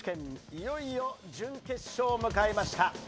いよいよ準決勝を迎えました。